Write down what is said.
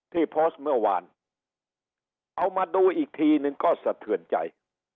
ที่โพสต์เมื่อวานเอามาดูอีกทีนึงก็สะเทือนใจ